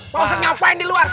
pausan ngapain di luar